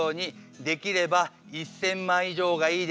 できれば１，０００万以上がいいです。